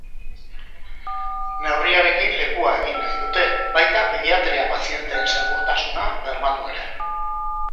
Neurriarekin lekua egin nahi dute, baita pediatria pazienteen segurtasuna bermatu ere.